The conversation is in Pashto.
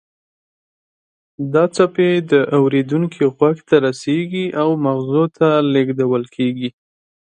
دا څپې د اوریدونکي غوږ ته رسیږي او مغزو ته لیږدول کیږي